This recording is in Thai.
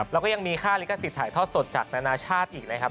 แล้วก็ยังมีค่าลิขสิทธิ์ถ่ายทอดสดจากนานาชาติอีกนะครับ